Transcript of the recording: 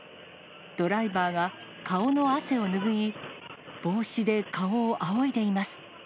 ドライバーが顔の汗を拭い、帽子で顔をあおいでいます。